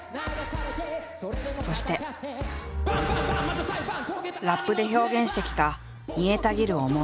そしてラップで表現してきた煮えたぎる思い。